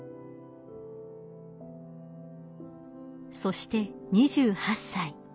そして２８歳。